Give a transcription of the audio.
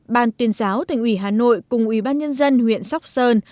ban tuyên giáo thành ủy hà nội cùng ubnd huyện sóc sơn